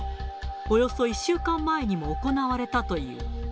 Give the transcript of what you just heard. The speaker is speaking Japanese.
およそ１週間前にも行われたという。